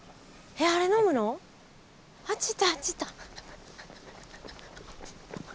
あっち行ったあっち行った。